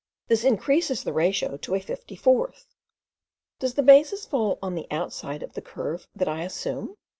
This increases the ratio to a fifty fourth. Does the basis fall on the outside of the curve that I assume?)